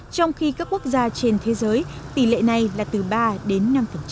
trong khi các quốc gia trên thế giới tỷ lệ này là từ ba đến năm